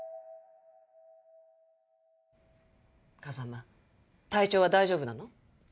風間体調は大丈夫なの？